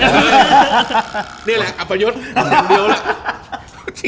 เนี่ยแหละอัพยศ